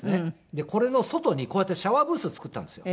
でこれの外にこうやってシャワーブースを作ったんですよ。